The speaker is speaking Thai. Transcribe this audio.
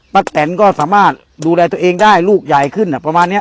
แตนก็สามารถดูแลตัวเองได้ลูกใหญ่ขึ้นประมาณนี้